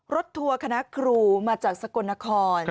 ทัวร์คณะครูมาจากสกลนคร